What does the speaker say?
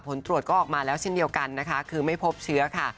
ผลตรวจก็ออกมาแล้วเช่นเดียวกันนะคะคือไม่พบเชื้อค่ะ